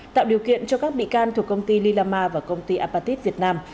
tạo điều kiện cho các bị can thuộc công ty lila ma và công ty apatit việt nam